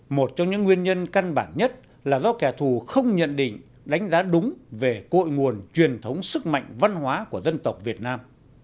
một trong những nguyên nhân căn bản nhất là do kẻ thù không nhận định đánh giá đúng về cội nguồn truyền thống sức mạnh văn hóa của dân tộc việt nam